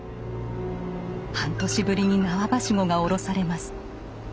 半年ぶりに縄梯子が下ろされます。